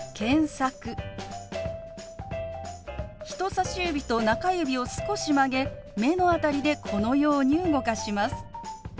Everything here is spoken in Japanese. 人さし指と中指を少し曲げ目の辺りでこのように動かします。